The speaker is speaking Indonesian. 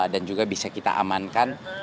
dan juga bisa kita amankan